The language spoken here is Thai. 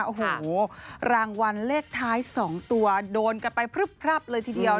โอ้โหรางวัลเลขท้าย๒ตัวโดนกันไปพลึบพรับเลยทีเดียว